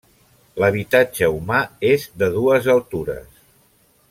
L’habitatge humà és de dues altures.